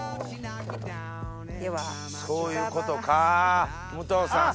そういうことか武藤さん